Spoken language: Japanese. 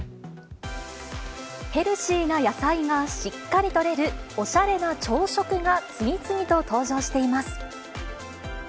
ヘルシーな野菜がしっかり取れる、おしゃれな朝食が次々と登場しています。